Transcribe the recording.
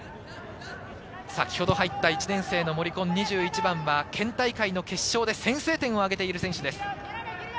先ほど入った１年生の森紺、２１番は県大会の決勝で先制点を挙げている選手です。